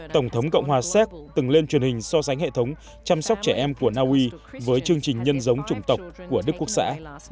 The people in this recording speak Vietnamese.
tổng thống cộng hòa séc từng lên truyền hình so sánh hệ thống chăm sóc trẻ em của naui với chương trình nhân giống chủng tộc của đức quốc xã